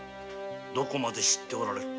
どこまで知っておられる？